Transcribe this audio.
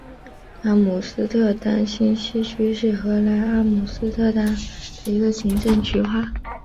阿姆斯特丹新西区是荷兰阿姆斯特丹的一个行政区划。